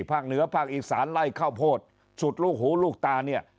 ภาคเหนือภาคอีสานไล่ข้าวโพดสุดลูกหูลูกตาเนี่ย